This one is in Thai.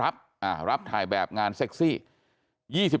แบบงานเซ็กซี่